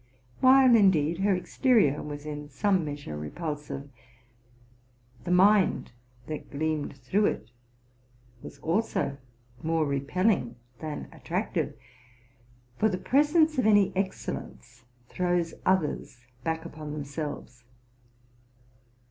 While, indeed, her exterior was in some measure repulsive, the mind that gleamed through it was also more repelling than attractive; for the presence of any excellence throws others back upon 'themselves.